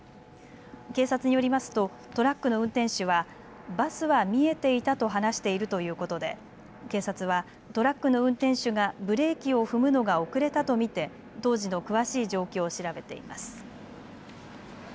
警察によりますとトラックの運転手はバスは見えていたと話しているということで警察はトラックの運転手がブレーキを踏むのが遅れたと見て当時の詳しい状況を調べています。